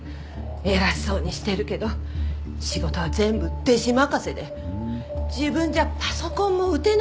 偉そうにしてるけど仕事は全部弟子任せで自分じゃパソコンも打てないんだから。